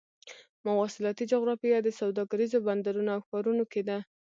مواصلاتي جغرافیه د سوداګریزو بندرونو او ښارونو کې ده.